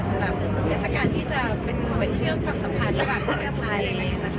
สำหรับเทศกาลที่จะเป็นเหมือนเชื่อมความสัมพันธ์ระหว่างประเทศไทยอะไรอย่างนี้นะคะ